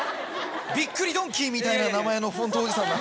『びっくりドンキー』みたいな名前のフォントおじさんなのに。